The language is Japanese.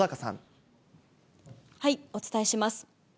お伝えします。